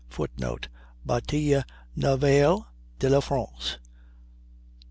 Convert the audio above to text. [Footnote: "Batailles Navales de la France."